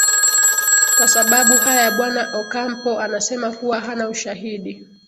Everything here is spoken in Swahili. kwa sababu haya bwana ocampo anasema kuwa hana ushahidi